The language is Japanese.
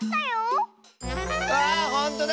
わあほんとだ！